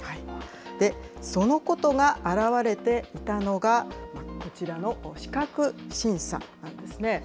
そのことが表れていたのが、こちらの資格審査なんですね。